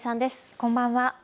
こんばんは。